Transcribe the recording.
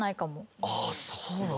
あっそうなんだ。